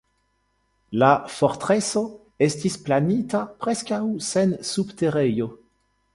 La fortreso estis planita preskaŭ sen subterejo.